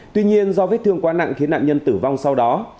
tuy nhiên do vết thương quá nặng khiến nạn nhân tử vong sau đó